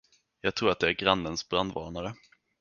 Jag tror det är grannes brandvarnare.